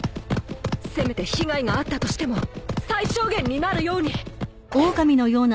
せめて被害があったとしても最小限になるように